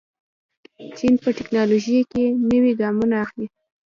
چین په تکنالوژۍ کې نوي ګامونه اخلي.